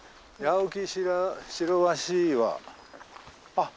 あっ！